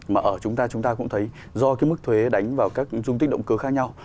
mà ở chúng ta chúng ta cũng thấy do cái mức thuế đánh vào các dung tích động cơ khác nhau